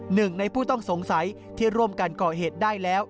หนึ่งในผู้ต้องสงสัยที่ร่วมกันก่อเหตุได้แล้ว